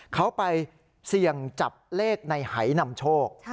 เขาไปเสี่ยงจับเลขในหายนำโชค